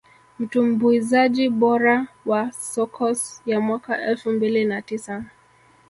Mtumbuizaji bora wa Soukous ya mwaka elfu mbili na tisa